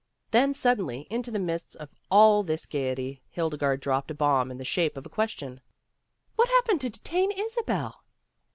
Then suddenly into the midst of all this gaiety, Hildegarde dropped a bomb in the shape of a question. "What happened to de tain Isabel?"